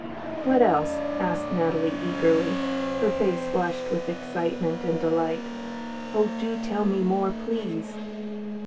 "What else?" asked Natalie eagerly, her face flushed with excitement and delight. "Oh! do tell me more, please!"